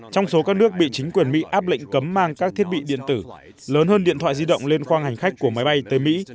trong số các nước bị chính quyền mỹ áp lệnh cấm mang các thiết bị điện tử lớn hơn điện thoại di động lên khoang hành khách của máy bay tới mỹ